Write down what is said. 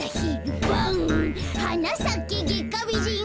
「はなさけゲッカビジン」